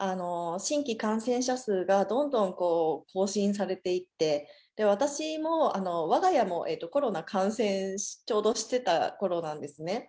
新規感染者数がどんどん更新されていって、私も、わが家もコロナ感染、ちょうど、してたころなんですね。